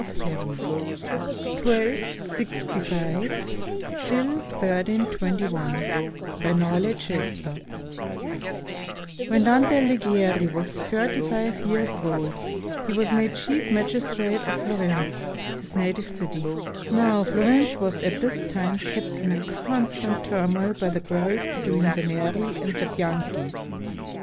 DANTE'S VISION OF HEAVEN [1265 1321] BY NORLEY CHESTER [When Dante Alighieri was thirty five years old, he was made chief magistrate of Florence, his native city. Now Florence was at this time kept in a constant turmoil by the quarrels between the Neri and the Bianchi.